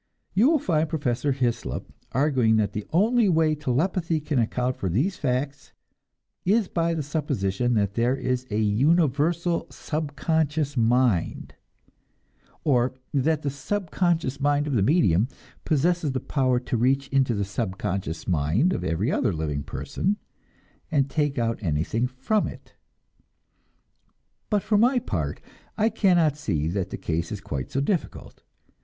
You will find Professor Hyslop arguing that the only way telepathy can account for these facts is by the supposition that there is a universal subconscious mind, or that the subconscious mind of the medium possesses the power to reach into the subconscious mind of every other living person and take out anything from it. But for my part, I cannot see that the case is quite so difficult.